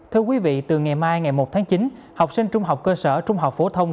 thưa quý vị từ ngày mai ngày một tháng chín học sinh trung học cơ sở trung học phổ thông